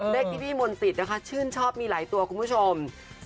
เลขที่พี่มนศิษย์ชื่นชอบมีหลายตัวคุณผู้ชม